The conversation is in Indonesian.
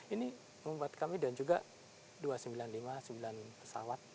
ini membuat kami dan juga dua ratus sembilan puluh lima sembilan pesawat